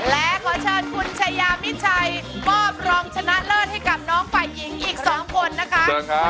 และขอเชิญคุณชายามิชัยมอบรองชนะเลิศให้กับน้องฝ่ายหญิงอีก๒คนนะคะ